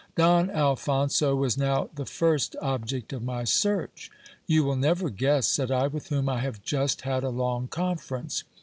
Don Alphonso was now the first 354 GIL BLAS. object of my search. You will never guess, said I, with whom I have just had a long conference.